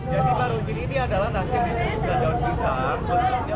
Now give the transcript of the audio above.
jadi baronjin ini adalah nasi dengan daun pisang